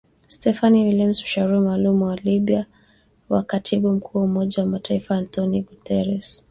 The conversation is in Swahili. Stephanie Williams mshauri maalum kwa Libya wa katibu mkuu wa Umoja wa Mataifa Antonio Guterres.